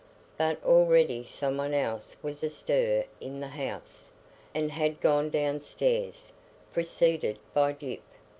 But already some one else was astir in the house, and had gone downstairs, preceded by Gyp.